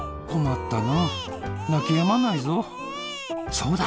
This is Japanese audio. そうだ！